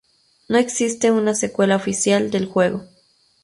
No existe una secuela oficial del juego.